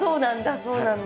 そうなんだ。